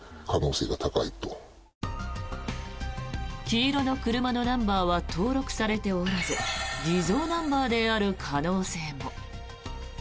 黄色の車のナンバーは登録されておらず偽造ナンバーである可能性も。